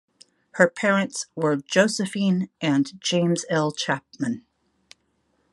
Her parents were Josephine and James L. Chapman.